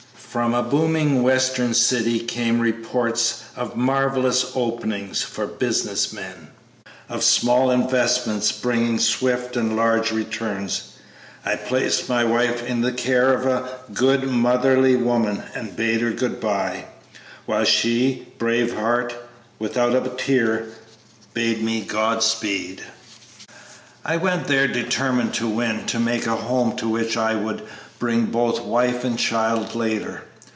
"From a booming western city came reports of marvellous openings for business men of small investments bringing swift and large returns. I placed my wife in the care of a good, motherly woman and bade her good by, while she, brave heart, without a tear, bade me God speed. I went there determined to win, to make a home to which I would bring both wife and child later.